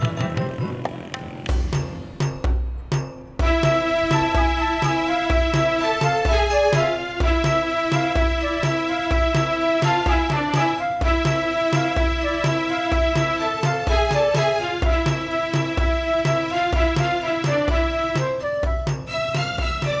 jadi apa ya dari obvious